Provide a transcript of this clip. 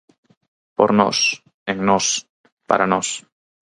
Por nós, en nós, para nós.